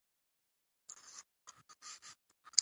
عبد الرحمان بابا د پښتو ژبې يو ستر صوفي شاعر و